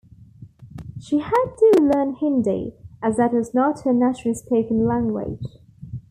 She had to learn Hindi, as that was not her naturally spoken language.